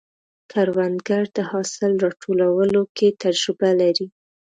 کروندګر د حاصل راټولولو کې تجربه لري